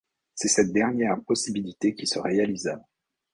C'est cette dernière possibilité qui se réalisa.